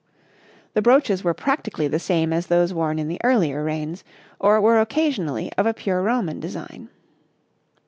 The brooches were practically the same as those worn in the earlier reigns, or were occasionally of a pure Roman design.